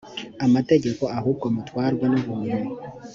amategeko ahubwo mutwarwa n ubuntu